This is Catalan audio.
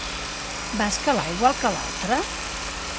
Va escalar igual que l'altre?